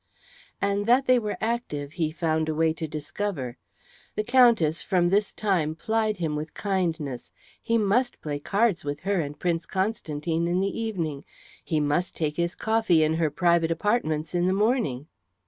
And that they were active he found a way to discover. The Countess from this time plied him with kindness. He must play cards with her and Prince Constantine in the evening; he must take his coffee in her private apartments in the morning.